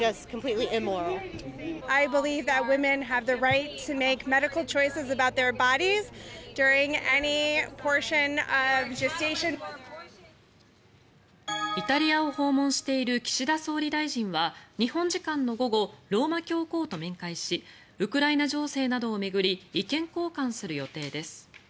イタリアを訪問している岸田総理大臣は日本時間の午後ローマ教皇と面会しウクライナ情勢などを巡り意見交換する予定です。